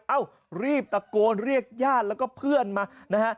เอ้ารีบตะโกนเรียกญาติแล้วก็เพื่อนมานะฮะ